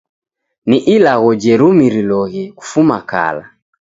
Ni ilagho jererumiriloghe kufuma kala.